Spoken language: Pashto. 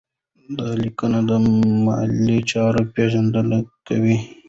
دا لیکنه د مالي چارو پیژندنه کوي.